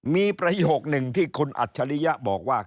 มีประโยคหนึ่งที่คุณอัจฉริยะบอกว่า